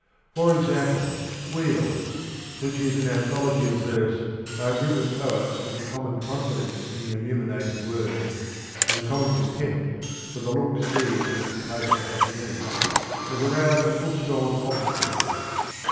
For example, ' Wheels,' which is an anthology of verse by a group of poets with a common confidence in the illuminated word and a common contempt for the look see of the complacent academic, has aroused a little storm of obloquy.